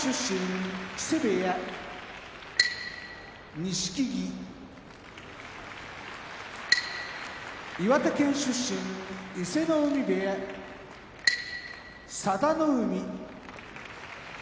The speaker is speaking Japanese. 錦木岩手県出身伊勢ノ海部屋佐田の海